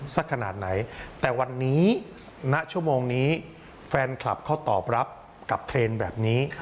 สักขนาดไหนแต่วันนี้ณชั่วโมงนี้แฟนคลับเขาตอบรับกับเทรนด์แบบนี้